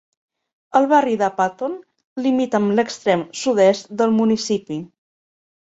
El barri de Patton limita amb l'extrem sud-est del municipi.